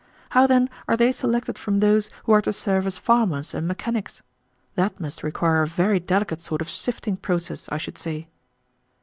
How, then, are they selected from those who are to serve as farmers and mechanics? That must require a very delicate sort of sifting process, I should say."